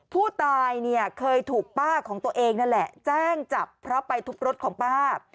ผู้ตายเนี่ยเคยถูกป้าของตัวเองนั่นแหละแจ้งจับเพราะไปทุบรถของป้า